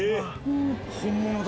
本物だ。